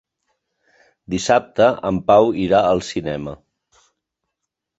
Dissabte en Pau irà al cinema.